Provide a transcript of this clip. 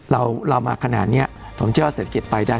เรามาขนาดนี้ผมเชื่อเสร็จเก็บไปได้